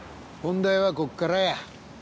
本題はここからや。